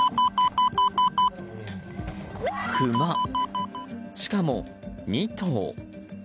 クマ、しかも２頭。